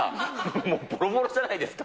もうぼろぼろじゃないですか。